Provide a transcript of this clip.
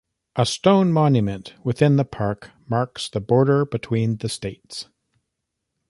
A stone monument within the park marks the border between the states.